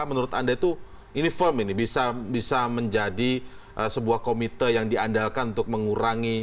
menurut anda itu ini firm ini bisa menjadi sebuah komite yang diandalkan untuk mengurangi